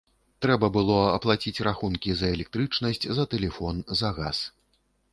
Трэба было аплаціць рахункі за электрычнасць, за тэлефон, за газ.